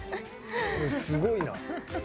「すごいな」